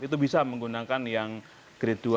itu bisa menggunakan yang grade dua